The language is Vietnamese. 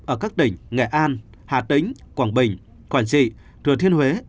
ở các tỉnh nghệ an hà tĩnh quảng bình quảng trị thừa thiên huế